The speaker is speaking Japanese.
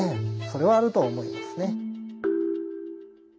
それはあると思いますね。